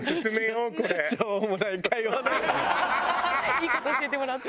いい事教えてもらった。